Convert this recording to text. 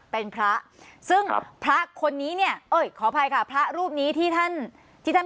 เป็นพระซึ่งพระคนนี้เนี่ยเอ้ยขออภัยค่ะพระรูปนี้ที่ท่านที่ท่าน